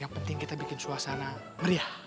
yang penting kita bikin suasana meriah